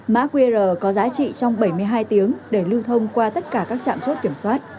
mã qr có giá trị trong bảy mươi hai tiếng để lưu thông qua tất cả các trạm chốt kiểm soát